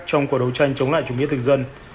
trong cuộc đấu tranh chống lại chủ nghĩa thực dân